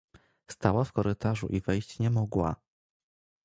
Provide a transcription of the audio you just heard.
Stała w korytarzu i wejść nie mogła.